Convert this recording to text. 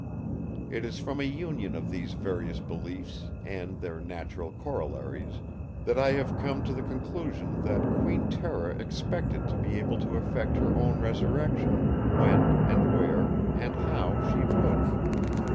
"It is from a union of these various beliefs, and their natural corollaries, that I have come to the conclusion that Queen Tera expected to be able to effect her own resurrection, when, and where, and how, she would.